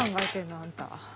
あんた。